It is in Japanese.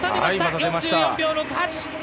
４４秒６８！